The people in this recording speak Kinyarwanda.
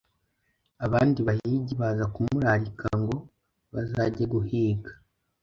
Abandi bahigi baza kumurarika ngo bazajyane guhiga,